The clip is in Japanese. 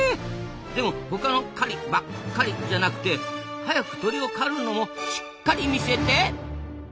でも他の「狩り」ばっ「かり」じゃなくて早く鳥を狩るのもしっ「かり」見せて！